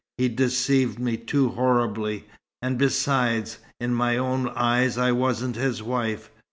He'd deceived me too horribly and besides, in my own eyes I wasn't his wife.